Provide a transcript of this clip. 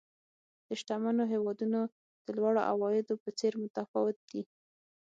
د شتمنو هېوادونو د لوړو عوایدو په څېر متفاوت دي.